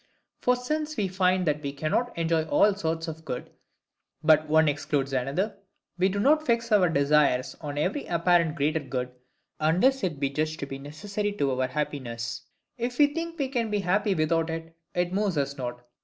For since we find that we cannot enjoy all sorts of good, but one excludes another; we do not fix our desires on every apparent greater good, unless it be judged to be necessary to our happiness: if we think we can be happy without it, it moves us not.